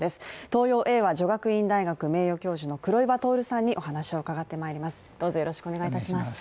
東洋英和女学院大学名誉教授の黒岩徹さんにお話を伺ってまいります。